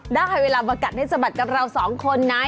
นักให้เวลามากัดงัดกับเรา๒คนใน